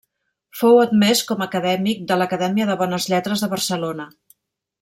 Fou admès com a acadèmic de l'Acadèmia de Bones Lletres de Barcelona.